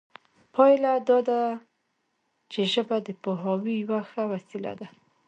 پایله دا ده چې ژبه د پوهاوي یوه ښه وسیله ده